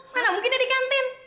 mana mungkin ada di kantin